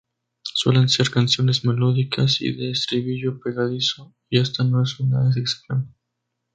Suelen ser canciones melódicas y de estribillo pegadizo, y esta no es una excepción.